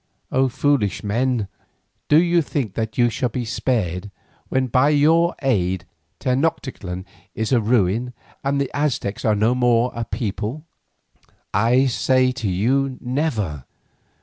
O foolish men, do you think that you shall be spared when by your aid Tenoctitlan is a ruin and the Aztecs are no more a people? I say to you never.